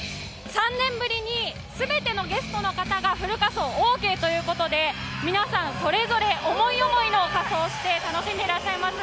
３年ぶりに全てのゲストの方がフル仮装オーケーということで皆さん、それぞれ思い思いの仮装をして楽しんでらっしゃいます。